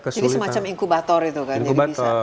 jadi semacam inkubator itu kan